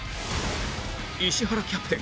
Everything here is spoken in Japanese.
石原キャプテン